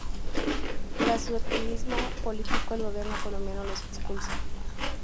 Tras su activismo político, el Gobierno colombiano los expulsa.